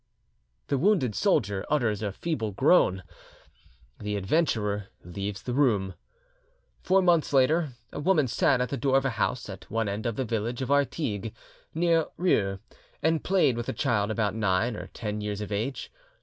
The wounded soldier utters a feeble groan; the adventurer leaves the room. Four months later, a woman sat at the door of a house at one end of the village of Artigues, near Rieux, and played with a child about nine or ten years of age.